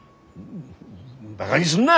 バガにすんな！